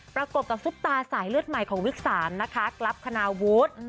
ประกบกับซุปตาสายเลือดใหม่ของวิกสามนะคะกรัฟคณาวุฒิ